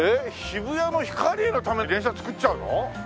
渋谷のヒカリエのために電車造っちゃうの？